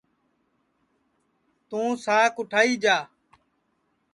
توںساک اوٹھائی جا